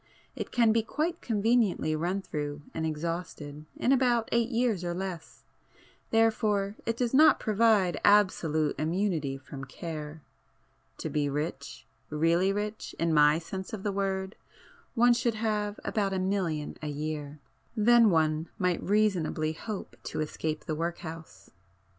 It can be quite conveniently run through and exhausted in about eight years or less, therefore it does not provide absolute immunity from care. To be rich, really rich, in my sense of the word, one should have about a million a year. Then one might reasonably hope to escape the workhouse!"